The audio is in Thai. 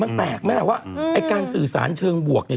มันแปลกไหมล่ะว่าไอ้การสื่อสารเชิงบวกเนี่ย